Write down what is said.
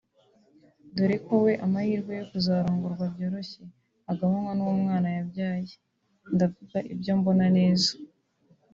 dore ko we amahirwe yo kuzarongorwa byoroshye agabanywa n’umwana yabyaye…ndavuga ibyo mbona neza